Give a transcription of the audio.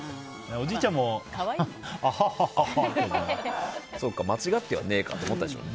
おじいちゃんもあははってね。